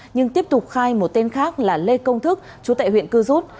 nhưng tiếp tục khai một tên khác là lê công thức chú tại huyện cư rút